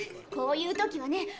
こういう時はね